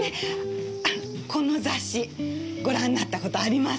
この雑誌ご覧になった事あります？